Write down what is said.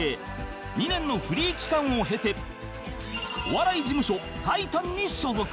２年のフリー期間を経てお笑い事務所タイタンに所属